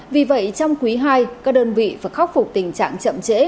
vì vậy trong quý ii các đơn vị phải khắc phục tình trạng chậm trễ